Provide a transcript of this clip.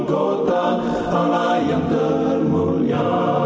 kota allah yang termunya